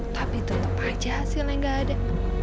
tapi tetep aja hasilnya gak ada